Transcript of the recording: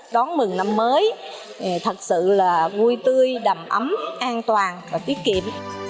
đón mừng năm mới thật sự là vui tươi đầm ấm an toàn và tiết kiệm